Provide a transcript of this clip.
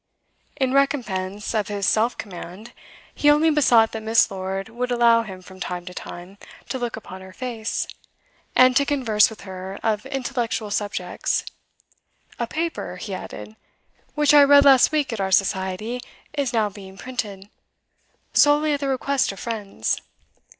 In recompense of his self command, he only besought that Miss. Lord would allow him, from time to time, to look upon her face, and to converse with her of intellectual subjects. 'A paper,' he added, 'which I read last week at our Society, is now being printed solely at the request of friends.